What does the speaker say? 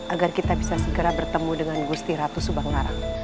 agar kita bisa segera bertemu dengan gusti ratu subanglar